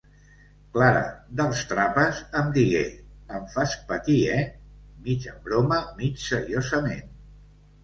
Clara, dels Trapas, em digué "em fas patir, eh?", mig em broma mig seriosament.